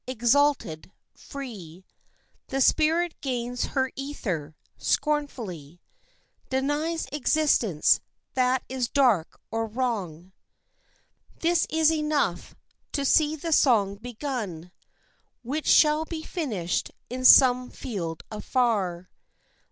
Exalted, free, The spirit gains her ether, scornfully Denies existence that is dark or wrong. This is enough, to see the song begun Which shall be finished in some field afar.